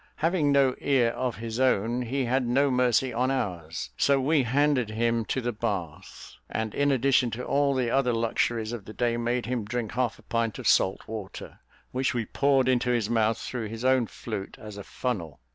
Having no ear of his own, he had no mercy on ours, so we handed him to the bath; and in addition to all the other luxuries of the day, made him drink, half a pint of salt water, which we poured into his mouth through his own flute, as a funnel.